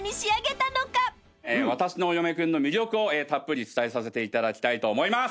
『わたしのお嫁くん』の魅力をたっぷり伝えさせていただきたいと思います。